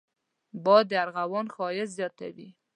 باد د ارغوان ښايست زیاتوي